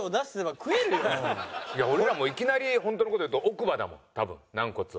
俺らもいきなり本当の事言うと奥歯だもん多分軟骨は。